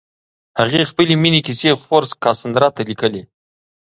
هغې خپلې مینې کیسې خور کاساندرا ته لیکلې.